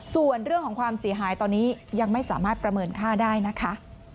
ส่วนเรื่องของความเสียหายตอนนี้ยังไม่สามารถประเมินค่าได้นะคะ